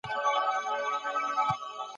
انګرېزانو څو ځله پر افغانستان یرغل وکړ.